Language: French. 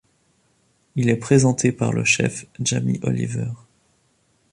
Il est présenté par le chef Jamie Oliver.